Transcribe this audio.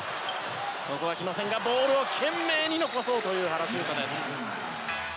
ここは来ませんがボールを懸命に残そうという原修太です。